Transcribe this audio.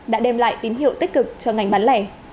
đã đem lại tín hiệu tích cực cho ngành bán lẻ